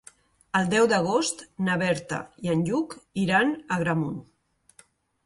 El deu d'agost na Berta i en Lluc iran a Agramunt.